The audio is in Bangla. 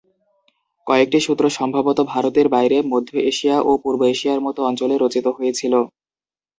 কয়েকটি সূত্র সম্ভবত ভারতের বাইরে মধ্য এশিয়া ও পূর্ব এশিয়ার মতো অঞ্চলে রচিত হয়েছিল।